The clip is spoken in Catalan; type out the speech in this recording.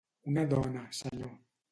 —Una dona, senyor.